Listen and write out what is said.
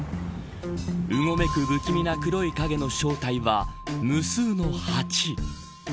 うごめく不気味な黒い影の正体は無数の蜂。